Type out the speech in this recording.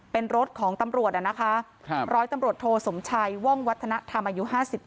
เป็นรถของตำรวจนะคะร้อยตำรวจโทสมชัยว่องวัฒนธรรมอายุ๕๗